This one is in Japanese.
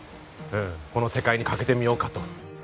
この世界に懸けてみようかと。